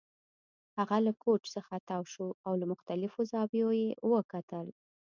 هغه له کوچ څخه تاو شو او له مختلفو زاویو یې وکتل